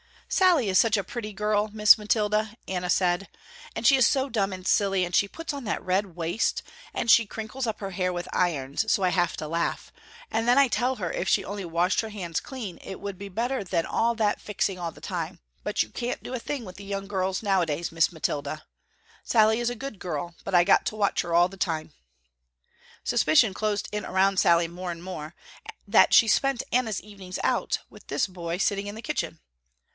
"Sallie is such a pretty girl, Miss Mathilda," Anna said, "and she is so dumb and silly, and she puts on that red waist, and she crinkles up her hair with irons so I have to laugh, and then I tell her if she only washed her hands clean it would be better than all that fixing all the time, but you can't do a thing with the young girls nowadays Miss Mathilda. Sallie is a good girl but I got to watch her all the time." Suspicion closed in around Sallie more and more, that she spent Anna's evenings out with this boy sitting in the kitchen.